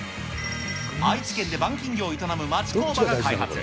愛知県で板金業を営む町工場が開発。